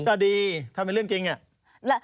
ก็ดีถ้าเป็นเรื่องจริงอะ